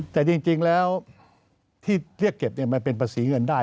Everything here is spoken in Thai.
แต่จริงแล้วที่เรียกเก็บมันเป็นภาษาดักศัตรูศูนย์เงินได้